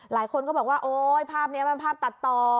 หลายคนก็บอกว่าโอ๊ยภาพนี้มันภาพตัดต่อ